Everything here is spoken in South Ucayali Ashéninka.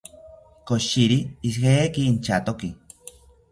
Koshiri ijeki inchatoki